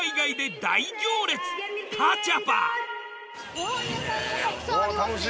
ごはん屋さんがたくさんありますね